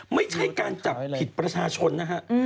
ไม่ใช่การจับผิดประชาชนนะฮะ